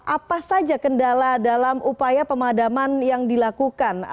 apa saja kendala dalam upaya pemadaman yang dilakukan